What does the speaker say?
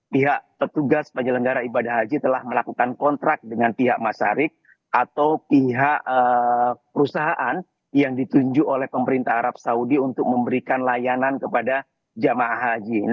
pihak petugas penyelenggara ibadah haji telah melakukan kontrak dengan pihak masyarik atau pihak perusahaan yang ditunjuk oleh pemerintah arab saudi untuk memberikan layanan kepada jemaah haji